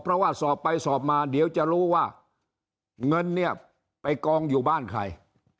เพราะว่าสอบไปสอบมาเดี๋ยวจะรู้ว่าเงินเนี่ยไปกองอยู่บ้านใคร